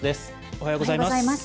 おはようございます。